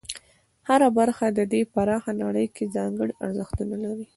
هره برخه د دې پراخه نړۍ کې ځانګړي ارزښتونه لري.